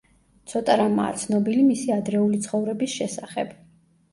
ცოტა რამაა ცნობილი მისი ადრეული ცხოვრების შესახებ.